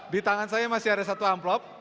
di tangan saya masih ada satu amplop